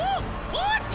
おっと！